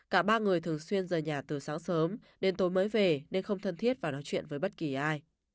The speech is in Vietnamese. cả ba người thường xuyên rời nhà từ sáng sớm đến tối mới về nên không thân thiết và nói chuyện với bất kỳ ai